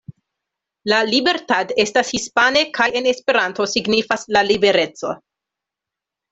La Libertad estas hispane kaj en Esperanto signifas "La libereco".